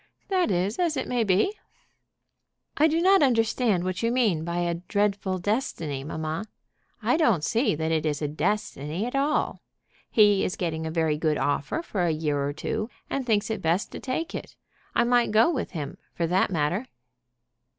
"That is as it may be." "I do not understand what you mean by a dreadful destiny, mamma. I don't see that it is a destiny at all. He is getting a very good offer for a year or two, and thinks it best to take it. I might go with him, for that matter."